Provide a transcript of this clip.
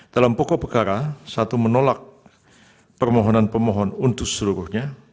dalam pokok perkara satu menolak permohonan pemohon untuk seluruhnya